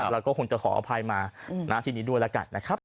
แล้วก็คุณจะขออภัยมาทีนี้ด้วยล่ะกันนะครับ